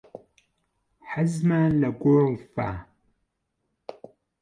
حەزمان لە گۆڵفە.